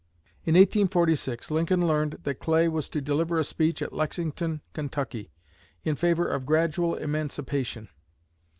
In 1846 Lincoln learned that Clay was to deliver a speech at Lexington, Kentucky, in favor of gradual emancipation.